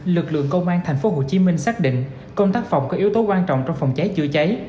lực lượng công an tp hcm xác định công tác phòng có yếu tố quan trọng trong phòng cháy chữa cháy